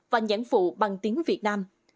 và nhãn phụ bằng tiếng việt nam